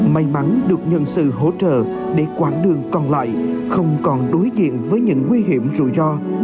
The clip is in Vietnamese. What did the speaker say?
may mắn được nhân sự hỗ trợ để quảng đường còn lại không còn đối diện với những nguy hiểm rủi ro